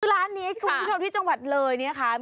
คือร้านนี้คุณผู้ชมที่จังหวัดเลยเนี่ยค่ะ